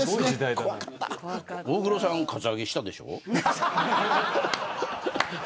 大黒さんカツアゲしたでしょ。